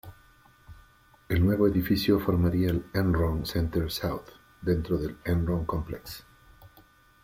El nuevo edificio formaría el "Enron Center South" dentro del "Enron Complex".